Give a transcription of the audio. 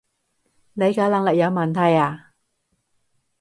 理解能力有問題呀？